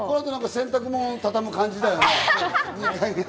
洗濯物たたむ感じだよね。